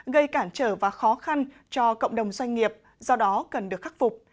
gây cản trở và khó khăn cho cộng đồng doanh nghiệp do đó cần được khắc phục